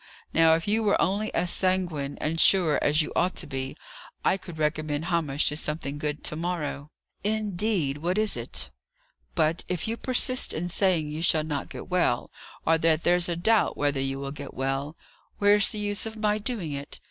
Now, if you were only as sanguine and sure as you ought to be, I could recommend Hamish to something good to morrow." "Indeed! What is it?" "But, if you persist in saying you shall not get well, or that there's a doubt whether you will get well, where's the use of my doing it?